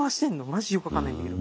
マジよく分かんないんだけど。